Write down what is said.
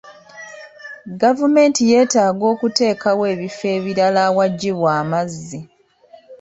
Gavumenti yeetaaga okuteekawo ebifo ebirala awaggibwa amazzi.